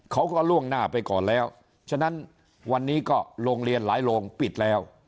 ล่วงหน้าไปก่อนแล้วฉะนั้นวันนี้ก็โรงเรียนหลายโรงปิดแล้ว